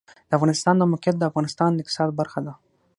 د افغانستان د موقعیت د افغانستان د اقتصاد برخه ده.